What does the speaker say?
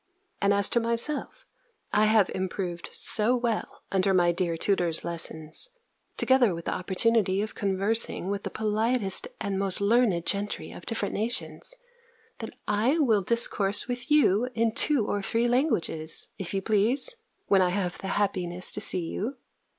And, as to myself, I have improved so well under my dear tutor's lessons, together with the opportunity of conversing with the politest and most learned gentry of different nations, that I will discourse with you in two or three languages, if you please, when I have the happiness to see you.